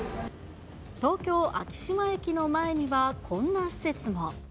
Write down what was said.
東京・昭島駅の前にはこんな施設も。